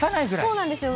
そうなんですよ。